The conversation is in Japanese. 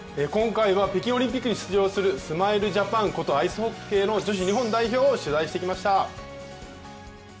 今回は北京オリンピックに出場するスマイルジャパンことアイスホッケーの女子日本代表を取材してきました。